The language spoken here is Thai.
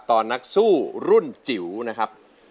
นักสู้รุ่นจิ๋วนะครับ